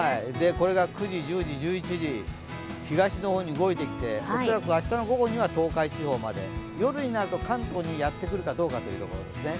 これが９時、１０時、１１時東の方へ動いてきて、恐らく明日の午後までには東海地方まで、夜になると関東にやってくるかどうかというところです。